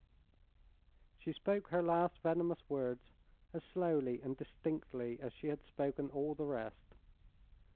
She spoke her last venomous words as slowly and distinctly as she had spoken all the rest.